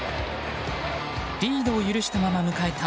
リードを許したまま迎えた